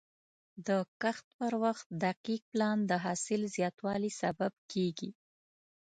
د کښت پر وخت دقیق پلان د حاصل زیاتوالي سبب کېږي.